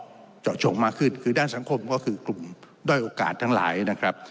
ก็เจาะจงมากขึ้นคือด้านสังคมก็คือกลุ่มด้อยโอกาสทั้งหลายนะครับ